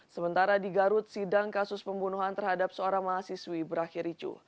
sementara di garut sidang kasus pembunuhan terhadap seorang mahasiswi berakhir ricu